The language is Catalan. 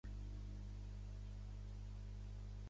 És venerada com a sant per tota la cristiandat.